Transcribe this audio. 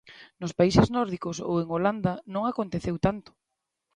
Nos países nórdicos ou en Holanda non aconteceu tanto.